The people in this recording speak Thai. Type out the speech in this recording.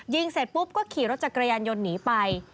เสร็จปุ๊บก็ขี่รถจักรยานยนต์หนีไป